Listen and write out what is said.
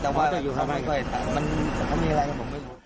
แต่ว่าเขามีอะไรกับผมไม่รู้